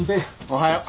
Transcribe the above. おはよう。